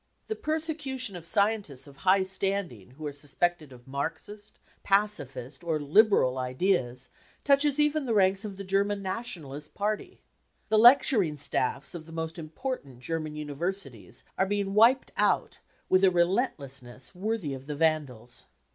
The persecution of scientists of high standing who are sus pected of Marxist, pacifist or liberal ideas, touches even the ranks of the German Nationalist Party. The lecturing staffs of the most important German universities are being wiped out with a relentlessness worthy of the Vandals.